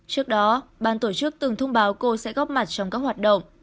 trước đó ban tổ chức từng thông báo cô sẽ góp mặt trong các hoạt động